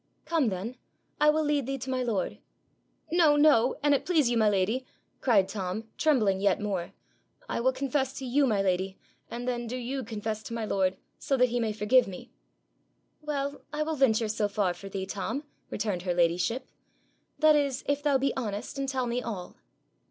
'Come, then; I will lead thee to my lord.' 'No, no, an't please you, my lady!' cried Tom, trembling yet more. 'I will confess to you, my lady, and then do you confess to my lord, so that he may forgive me.' 'Well, I will venture so far for thee, Tom,' returned her ladyship; 'that is, if thou be honest, and tell me all.'